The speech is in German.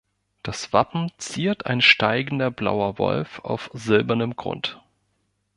Das Wappen ziert ein steigender blauer Wolf auf silbernem Grund.